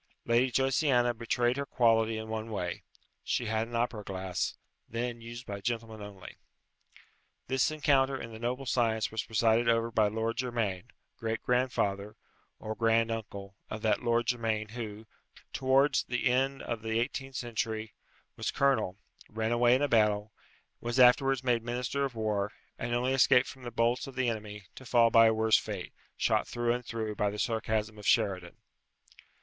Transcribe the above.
Lady Josiana betrayed her quality in one way; she had an opera glass, then used by gentlemen only. This encounter in the noble science was presided over by Lord Germaine, great grandfather, or grand uncle, of that Lord Germaine who, towards the end of the eighteenth century, was colonel, ran away in a battle, was afterwards made Minister of War, and only escaped from the bolts of the enemy, to fall by a worse fate, shot through and through by the sarcasm of Sheridan.